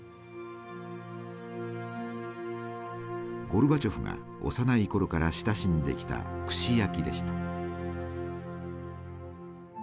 ゴルバチョフが幼い頃から親しんできた串焼きでした。